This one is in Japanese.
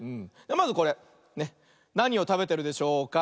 まずこれなにをたべてるでしょうか。